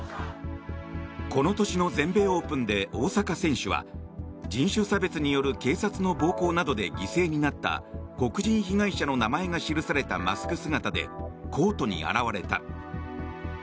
この年の全米オープンで大坂選手は人種差別による警察の暴行などで犠牲になった黒人被害者の名前が記されたマスク姿で、コートに現れた。